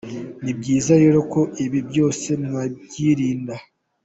Ni byiza rero ko ibi byose mwabyirinda.